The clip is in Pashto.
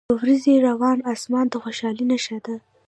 • د ورځې روڼ آسمان د خوشحالۍ نښه ده.